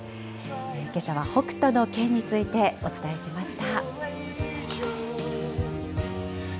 けさは北斗の拳についてお伝えしました。